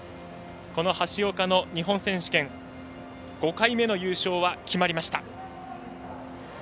この橋岡の日本選手権５回目の優勝は決まりました。